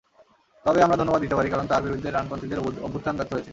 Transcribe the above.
তবে আমরা ধন্যবাদ দিতে পারি, কারণ তাঁর বিরুদ্ধে ডানপন্থীদের অভ্যুত্থান ব্যর্থ হয়েছে।